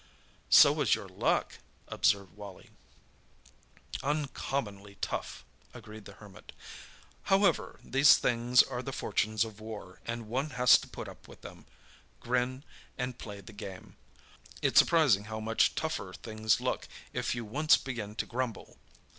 "So was your luck," observed Wally. "Uncommonly tough," agreed the Hermit. "However, these things are the fortunes of war, and one has to put up with them, grin, and play the game. It's surprising how much tougher things look if you once begin to grumble.